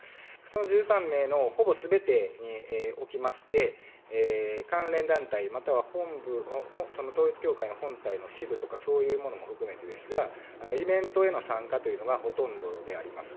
その１３名のほぼすべてにおきまして、関連団体、またはその統一教会の本体の支部とか、そういうものも含めてですが、イベントへの参加というのがほとんどであります。